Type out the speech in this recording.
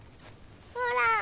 ほら！